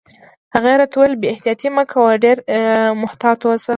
هغې راته وویل: بې احتیاطي مه کوه، ډېر محتاط اوسه.